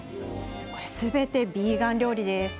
すべてビーガン料理です。